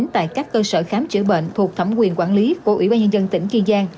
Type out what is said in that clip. tại các cơ sở khám chữa bệnh thuộc thẩm quyền quản lý của ủy ban nhân dân tỉnh kiên giang